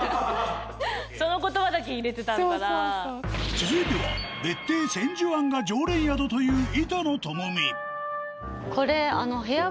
続いては別邸仙寿庵が常連宿というこれあの。